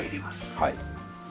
はい。